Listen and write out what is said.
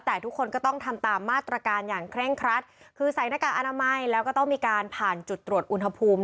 แต่ทุกคนก็ต้องทำตามมาตรการอย่างเคร่งครัดคือใส่หน้ากากอนามัยแล้วก็ต้องมีการผ่านจุดตรวจอุณหภูมิ